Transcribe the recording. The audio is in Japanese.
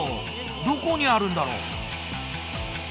どこにあるんだろう？